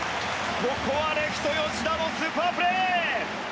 ここはレフト、吉田のスーパープレー！